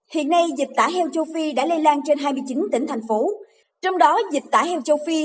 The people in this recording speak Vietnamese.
hiện nay dịch tả heo châu phi đã lây lan trên hai mươi chín tỉnh thành phố trong đó dịch tả heo châu phi